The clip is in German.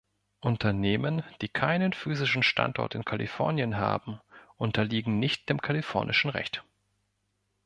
Unternehmen, die keinen physischen Standort in Kalifornien haben, unterliegen nicht dem kalifornischen Recht.